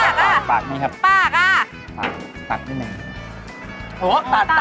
เอาปากอ่ะปากนี่ครับปากอ่ะตัดด้วยหนึ่งตัดอ๋อตัด